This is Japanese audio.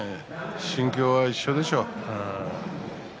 心境は一緒でしょう。